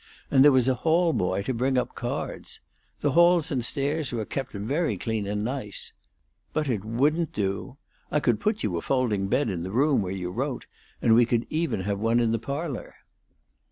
And there was a hall boy to bring up cards. The halls and stairs were kept very clean and nice. But it wouldn't do. I could put you a folding bed in the room where you wrote, and we could even have one in the parlor."